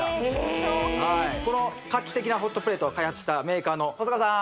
はいこの画期的なホットプレートを開発したメーカーの細川さん